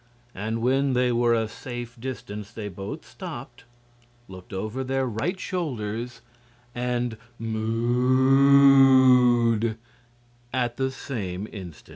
And when they were a safe distance they both stopped, looked over their right shoulders, and "mooed" at the same instant.